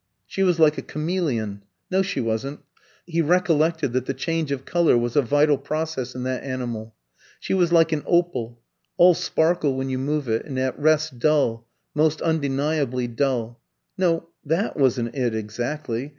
She was like a chameleon. No, she wasn't; he recollected that the change of colour was a vital process in that animal. She was like an opal all sparkle when you move it, and at rest dull, most undeniably dull. No, that wasn't it exactly.